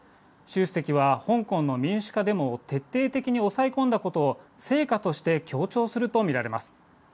シュウ主席は香港の民主化デモを徹底的に抑え込んだことを成果として強調するとみられます。